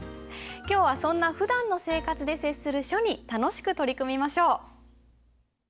今日はそんなふだんの生活で接する書に楽しく取り組みましょう。